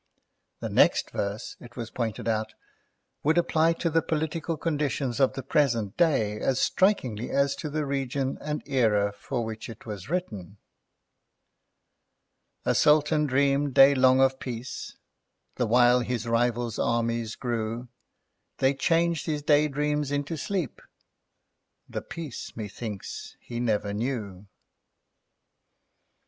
The next verse, it was pointed out, would apply to the political conditions of the present day as strikingly as to the region and era for which it was written— "A Sultan dreamed day long of Peace, The while his Rivals' armies grew: They changed his Day dreams into sleep —The Peace, methinks, he never knew."